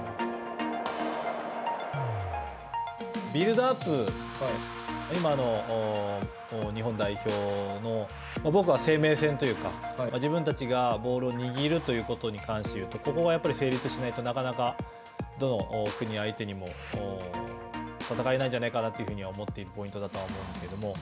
ビルドアップ、今の日本代表の僕は生命線というか自分たちがボールを握るということに関して言うとここが成立しないとなかなかどの国相手にも戦えないんじゃないかなというふうには思っているポイントだとは思うんですけれども。